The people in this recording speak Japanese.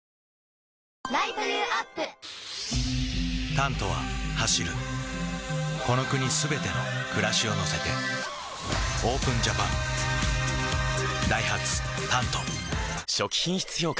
「タント」は走るこの国すべての暮らしを乗せてＯＰＥＮＪＡＰＡＮダイハツ「タント」初期品質評価